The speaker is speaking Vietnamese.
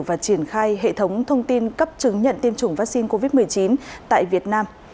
và triển khai hệ thống thông tin cấp chứng nhận tiêm chủng vaccine covid một mươi chín tại việt nam